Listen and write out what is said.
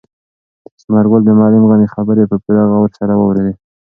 ثمرګل د معلم غني خبرې په پوره غور سره واورېدې.